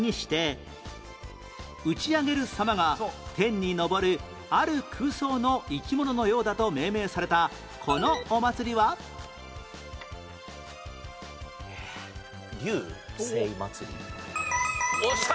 打ち上げる様が天に昇るある空想の生き物のようだと命名されたこのお祭りは？えっ？龍勢祭？よっしゃ！